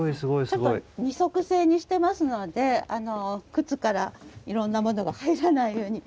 ちょっと二足制にしてますので靴からいろんなものが入らないように。